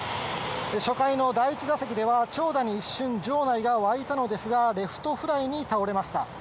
初回の第１打席では長打に一瞬、場内が沸いたのですが、レフトフライに倒れました。